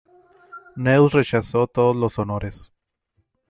Neus rechazó todos los honores.